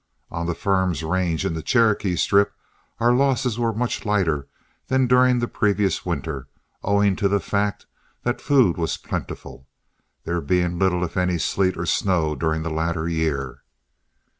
On the firm's range in the Cherokee Strip our losses were much lighter than during the previous winter, owing to the fact that food was plentiful, there being little if any sleet or snow during the latter year.